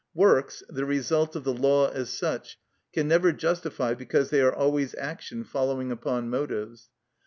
Works, the result of the law as such, can never justify, because they are always action following upon motives.